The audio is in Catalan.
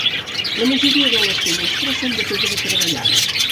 La majoria de les finestres són de pedra treballada.